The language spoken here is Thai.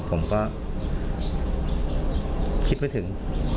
ผมก็คิดไม่ถึง